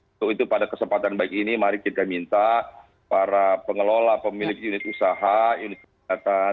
untuk itu pada kesempatan baik ini mari kita minta para pengelola pemilik unit usaha unit kesehatan